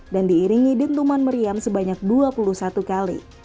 dan diiringi dentuman meriam sebanyak dua puluh satu kali